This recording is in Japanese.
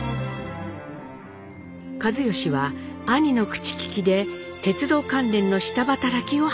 一嚴は兄の口利きで鉄道関連の下働きを始めます。